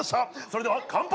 それでは乾杯！